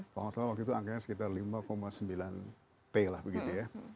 kalau nggak salah waktu itu angkanya sekitar lima sembilan t lah begitu ya